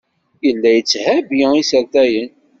Yella yetthabi isertayen.